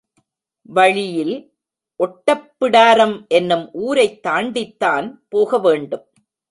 வழியில் ஒட்டப்பிடாரம் என்னும் ஊரைத் தாண்டிதான் போக வேண்டும்.